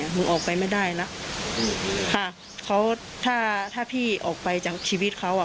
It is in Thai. หนูออกไปไม่ได้แล้วค่ะเขาถ้าถ้าพี่ออกไปจากชีวิตเขาอ่ะ